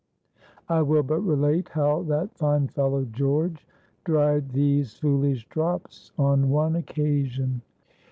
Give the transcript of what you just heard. I will but relate how that fine fellow, George, dried "these foolish drops" on one occasion.